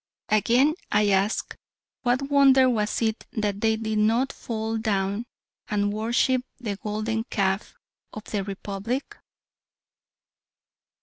Again, I ask, what wonder was it that they did not fall down and worship the golden calf of the Republic?